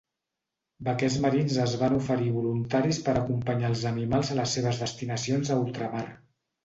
Vaquers marins es van oferir voluntaris per acompanyar els animals a les seves destinacions a ultramar.